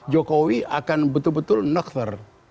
jokowi akan betul betul nekter